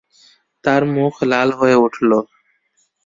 তার মুখ লাল হয়ে উঠল।